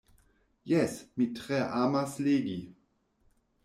Jes, mi tre amas legi.